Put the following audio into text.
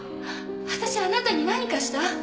私あなたに何かした？